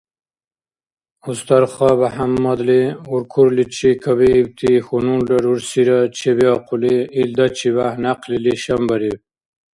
Устарха БяхӀяммадли уркурличи кабиибти хьунулра рурсира чебиахъули, илдачибяхӀ някъли лишанбариб.